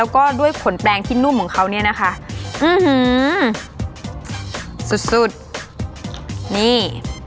ของเขาเนี่ยนะคะสุดนี่